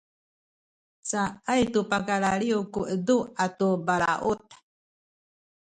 caay tu pakalaliw ku edu atu balaut